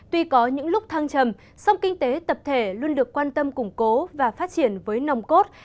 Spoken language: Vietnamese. tuy có những lúc thăng trầm song kinh tế tập thể luôn được quan tâm củng cố và phát triển với nồng cốt